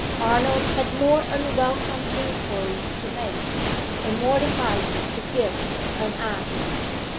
Arnold had more unwelcome inquiries to make, and more advice to give unasked.